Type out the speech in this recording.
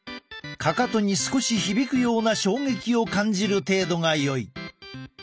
かかとに少し響くような衝撃を感じる程度がよい。